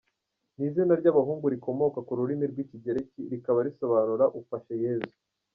ni izina ry’abahungu rikomoka ku rurimi rw’Ikigereki rikaba risobanura “Ufashe Yezu”.